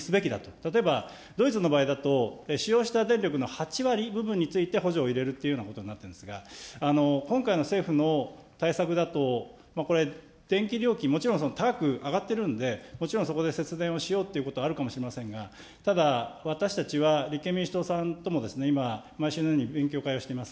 例えばドイツの場合だと、使用した電力の８割部分について補助を入れるというようなことになってるんですが、今回の政府の対策だと、これ、電気料金、もちろん高く上がってるんで、もちろんそこで節電をしようということはあるかもしれませんが、ただ、私たちは立憲民主党さんとも今、毎週のように勉強会をしています。